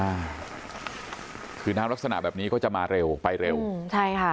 อ่าคือน้ำลักษณะแบบนี้ก็จะมาเร็วไปเร็วอืมใช่ค่ะ